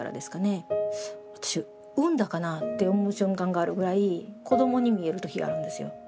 私産んだかなぁって思う瞬間があるぐらい子どもに見える時があるんですよ。